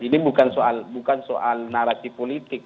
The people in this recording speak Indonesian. ini bukan soal narasi politik